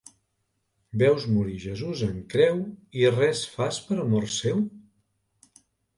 Veus morir Jesús en creu i res fas per amor seu?